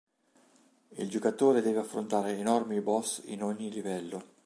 Il giocatore deve affrontare enormi boss in ogni livello.